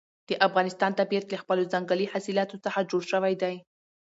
د افغانستان طبیعت له خپلو ځنګلي حاصلاتو څخه جوړ شوی دی.